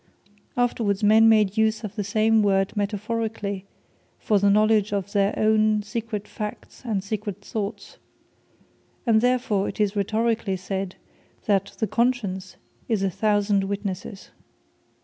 Afterwards, men made use of the same word metaphorically, for the knowledge of their own secret facts, and secret thoughts; and therefore it is Rhetorically said that the Conscience is a thousand witnesses.